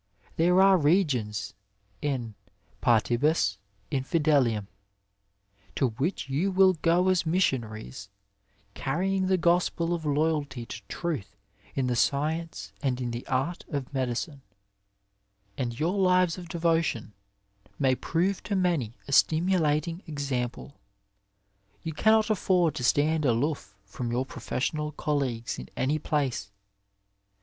There are regions, in 'paribus infiddium, to which you will go as missionaries, carrying the gospel of loyalty to truth in the science and in the art of medicine, and your lives of devotion may prove to many a stimu lating example. Tou cannot afford to stand aloof from your professional colleagues in any place.